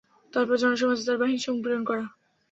তারপর জনসমাজে তার বাহিনীসমূহ প্রেরণ করে।